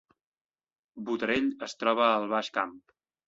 Botarell es troba al Baix Camp